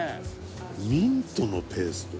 「ミントのペースト？」